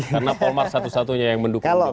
karena paul marr satu satunya yang mendukung